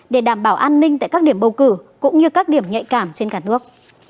để đảm bảo an ninh tại các điểm bầu cử cũng như các điểm nhạy cảm trên cả nước